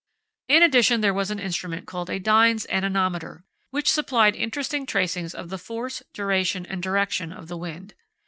In addition there was an instrument called a Dines anemometer which supplied interesting tracings of the force, duration, and direction of the wind.